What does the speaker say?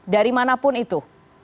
dari manapun itu